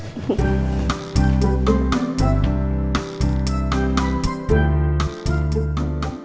selamat siang semuanya bapak bapak